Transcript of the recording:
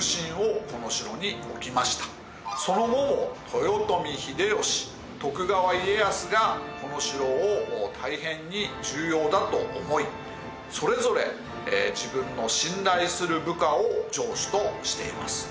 その後豊臣秀吉徳川家康がこの城を大変に重要だと思いそれぞれ自分の信頼する部下を城主としています。